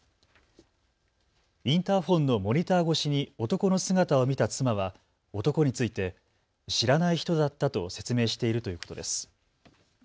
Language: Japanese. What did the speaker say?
インターフォンのモニター越しに男の姿を見た妻は男について知らない人だったと説明しているということです。